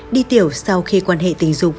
đi tiểu sau khi quan hệ tình dục